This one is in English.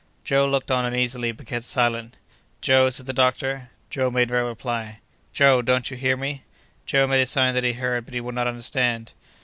Joe looked on uneasily, but kept silent. "Joe!" said the doctor. Joe made no reply. "Joe! Don't you hear me?" Joe made a sign that he heard; but he would not understand.